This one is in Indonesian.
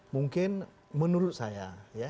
mungkin menurut saya